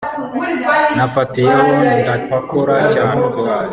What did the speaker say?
nafatiyeho ndakora cyane